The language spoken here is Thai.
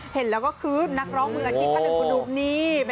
เห็นแล้วก็คือนักร้องมืออาทิตย์ภัณฑ์ผู้หนุ่มนี่